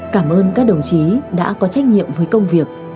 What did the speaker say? cảm ơn các đồng chí đã có trách nhiệm với công việc